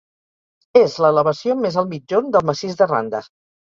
És l'elevació més al migjorn del massís de Randa.